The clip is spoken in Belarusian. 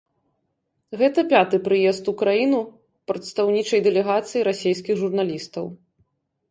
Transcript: Гэта пяты прыезд у краіну прадстаўнічай дэлегацыі расейскіх журналістаў.